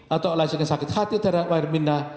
atau alasan yang sakit hati terhadap wayang mirna